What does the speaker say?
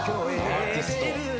アーティスト。